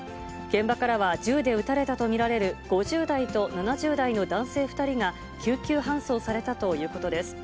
現場からは銃で撃たれたと見られる、５０代と７０代の男性２人が、救急搬送されたということです。